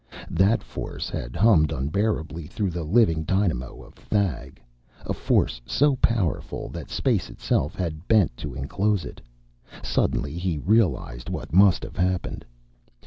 That force had hummed unbearably through the living dynamo of Thag, a force so powerful that space itself had bent to enclose it. Suddenly he realized what must have happened.